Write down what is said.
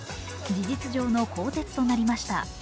事実上の更迭となりました。